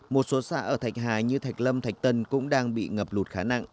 một số xã ở thạch hà như thạch lâm thạch tân cũng đang bị ngập lụt khá nặng